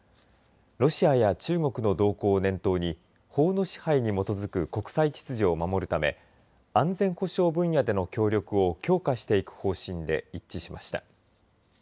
ロシアや中国の動向を念頭に法の支配に基づく国際秩序を守るため安全保障分野での協力を強化していく方針で一致しました。